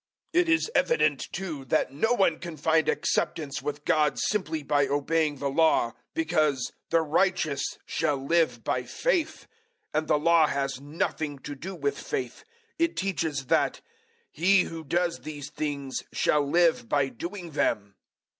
003:011 It is evident, too, that no one can find acceptance with God simply by obeying the Law, because "the righteous shall live by faith," 003:012 and the Law has nothing to do with faith. It teaches that "he who does these things shall live by doing them."